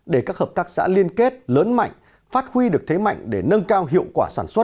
để các hợp tác xã liên kết lớn mạnh phát huy được thế mạnh để nâng cao hiệu quả sản xuất